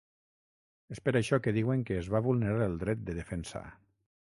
És per això que diuen que es va vulnerar el dret de defensa.